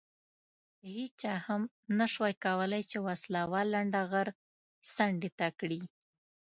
هېچا هم نه شوای کولای چې وسله وال لنډه غر څنډې ته کړي.